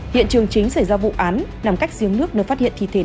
hiện trường chính xảy ra vụ án nằm cách riêng nước nơi phát hiện thị trường